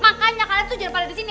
makanya kalian tuh jangan pada disini